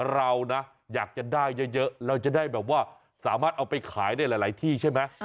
เรานะอยากจะได้เยอะเราจะได้แบบว่าสามารถเอาไปขายได้หลายที่ใช่ไหม